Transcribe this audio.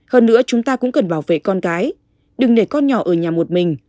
hơn nữa chúng ta cũng cần bảo vệ con gái đừng để con nhỏ ở nhà một mình